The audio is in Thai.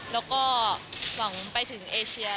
แล้วก็หวังไปถึงเอเชียด้วยค่ะ